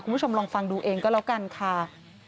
คุณผู้ชมลองฟังดูเองก็แล้วกันค่ะ